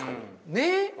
ねっ！